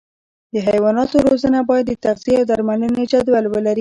د حیواناتو روزنه باید د تغذیې او درملنې جدول ولري.